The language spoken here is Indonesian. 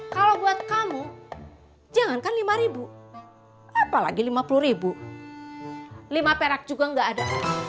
kalau buat kamu jangankan lima ribu apalagi lima puluh ribu lima perak juga nggak ada